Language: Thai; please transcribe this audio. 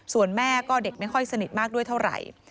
ส่วนแม่ก็เด็กไม่ค่อยสนิทมากด้วยเท่าไหร่